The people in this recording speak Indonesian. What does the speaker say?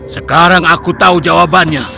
sekarang aku tahu jawabannya